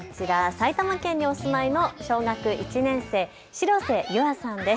埼玉県にお住まいの小学１年生のしろせゆあさんです。